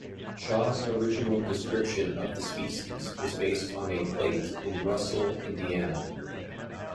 Shaw's original description of the species was based on a plate in Russell, Ind.